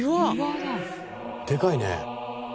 でかいね。